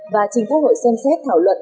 và trình quốc hội xem xét thảo luận